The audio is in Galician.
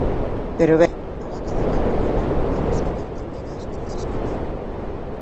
Pero ben, alá cadaquén co que di, hai que saber tamén ás veces escoitar.